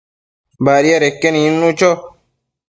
Badiadeque nidnu cho